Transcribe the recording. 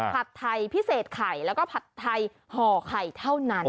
ผัดไทยพิเศษไข่แล้วก็ผัดไทยห่อไข่เท่านั้น